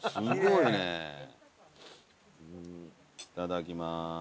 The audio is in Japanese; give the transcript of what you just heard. いただきます。